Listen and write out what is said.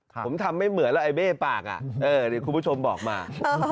ผมทำไม่เหมือนแล้วไอเบ้ปากคุณผู้ชมบอกมา